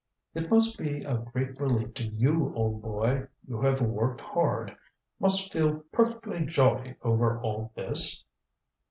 "It must be a great relief to you, old boy. You have worked hard. Must feel perfectly jolly over all this?"